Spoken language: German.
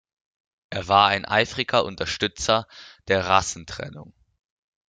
Er war ein eifriger Unterstützer der Rassentrennung.